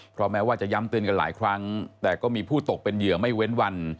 เพราะแม้ว่าจะย้ำเตือนกันหลายครั้งแต่ก็มีผู้ตกเป็นเหยื่อไม่เว้นวัน